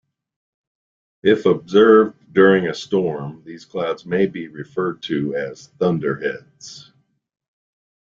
If observed during a storm, these clouds may be referred to as thunderheads.